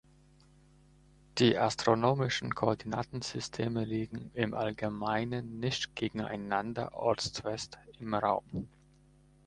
Die astronomischen Koordinatensysteme liegen im Allgemeinen nicht gegeneinander ortsfest im Raum.